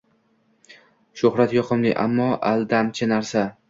Shuhrat-yoqimli, ammo aldamchi narsa.